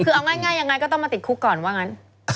คือเอาง่ายยังไงก็ต้องมาติดคุกก่อนว่างั้น